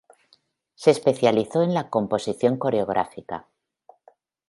Se especializó en la composición coreográfica.